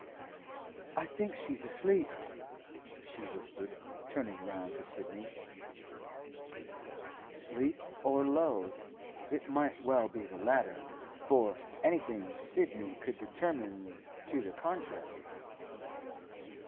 'I think she's asleep,' she whispered, turning round to Sidney. Sleep, or death? It might well be the latter, for anything Sidney could determine to the contrary.